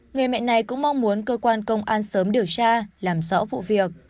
người mẹ này cũng mong muốn cơ quan công an sớm điều tra làm rõ vụ việc